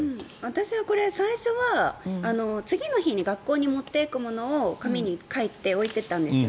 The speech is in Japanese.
私は最初は次の日に学校に持っていくものを紙に書いて置いていたんですよ。